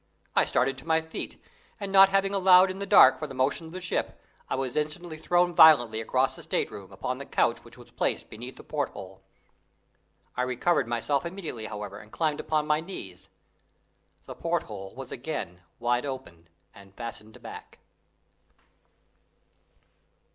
I started to my feet, and not having allowed in the dark for the motion of the ship, I was instantly thrown violently across the state room upon the couch which was placed beneath the porthole. I recovered myself immediately, however, and climbed upon my knees. The porthole was again wide open and fastened back!